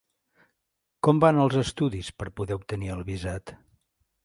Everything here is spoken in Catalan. Com van els estudis per poder obtenir el visat?